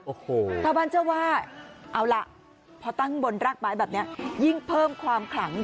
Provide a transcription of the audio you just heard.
โอ้โหชาวบ้านเจ้าว่าเอาล่ะพอตั้งบนรากไม้แบบนี้ยิ่งเพิ่มความขลัง